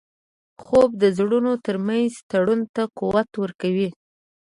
خوب د زړونو ترمنځ تړون ته قوت ورکوي